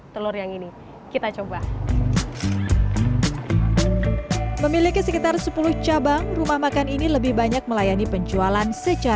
telur yang ini kita coba memiliki sekitar sepuluh cabang rumah makan ini lebih banyak melayani penjualan